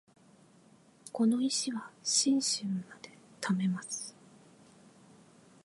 この石は新春まで貯めます